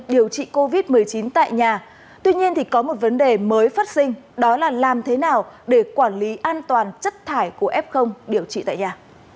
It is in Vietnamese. điều trị covid một mươi chín tại nhà tuy nhiên có một vấn đề mới phát sinh đó là làm thế nào để quản lý an toàn chất thải của f điều trị tại nhà